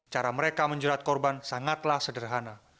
cara mereka menjerat korban sangatlah sederhana